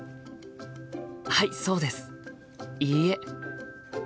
はいそうです。いいえ。